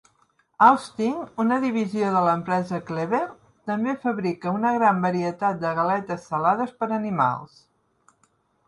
Austin, una divisió de l'empresa Keebler, també fabrica una gran varietat de galetes salades per a animals.